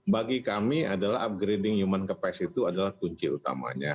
bagi kami adalah upgrading human capac itu adalah kunci utamanya